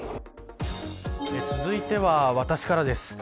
続いては私からです。